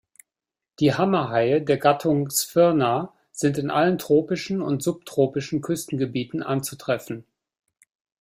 Die Hammerhaie der Gattung "Sphyrna" sind in allen tropischen und subtropischen Küstengebieten anzutreffen.